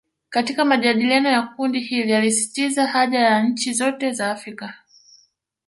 Katika majadiliano ya kundi hili alisisitiza haja ya nchi zote za Afrika